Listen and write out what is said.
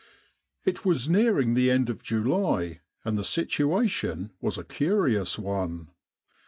It was nearing the end of July, and the situation was a curious one.